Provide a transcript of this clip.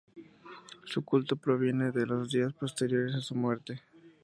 Su culto proviene de los días posteriores a su muerte.